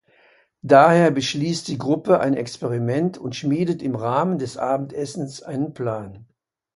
Daher beschließt die Gruppe ein Experiment und schmiedet im Rahmen des Abendessens einen Plan.